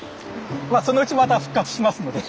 そのうちまた復活しますので。